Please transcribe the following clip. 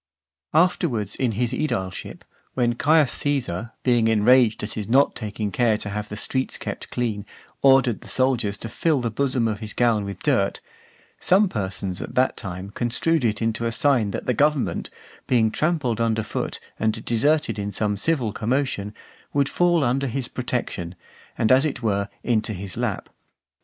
Afterwards in his aedileship, when Caius Caesar, being enraged at his not taking care to have the streets kept clean, ordered the soldiers to fill the bosom of his gown with dirt, some persons at that time construed it into a sign that the government, being trampled under foot and deserted in some civil commotion, would fall under his protection, and as it were into his lap.